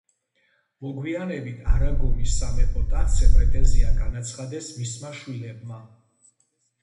მოგვიანებით არაგონის სამეფო ტახტზე პრეტენზია განაცხადეს მისმა შვილებმა.